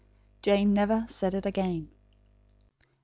Jane never said it again.